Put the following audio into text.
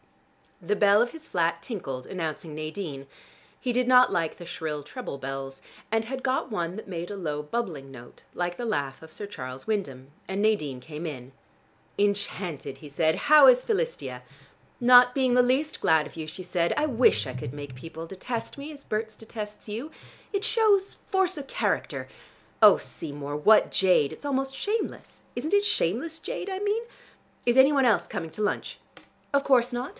The bell of his flat tinkled announcing Nadine. He did not like the shrill treble bells, and had got one that made a low bubbling note like the laugh of Sir Charles Wyndham; and Nadine came in. "Enchanted!" he said. "How is Philistia?" "Not being the least glad of you," she said. "I wish I could make people detest me, as Berts detests you. It shows force of character. Oh, Seymour, what jade! It is almost shameless! Isn't it shameless jade I mean? Is any one else coming to lunch?" "Of course not.